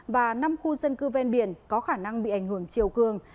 và năm khu dân cư ven biển có khả năng bị ảnh hưởng chiều cường